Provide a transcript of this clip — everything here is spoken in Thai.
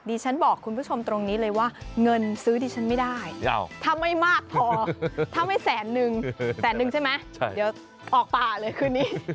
ฉันบอกคุณผู้ชมตรงนี้เลยว่าเงินซื้อดิฉันไม่ได้ถ้าไม่มากพอถ้าไม่แสนนึงแสนนึงใช่ไหมเดี๋ยวออกป่าเลยคืนนี้